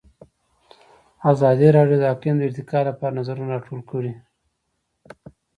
ازادي راډیو د اقلیم د ارتقا لپاره نظرونه راټول کړي.